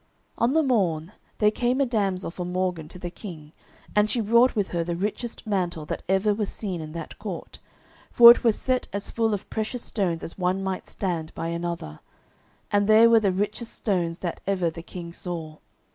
On the morn there came a damsel from Morgan to the King, and she brought with her the richest mantle that ever was seen in that court, for it was set as full of precious stones as one might stand by another, and there were the richest stones that ever the King saw.